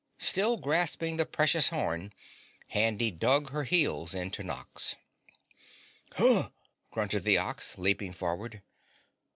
Still grasping the precious horn, Handy dug her heels into Nox. "Hurt?" grunted the Ox, leaping forward.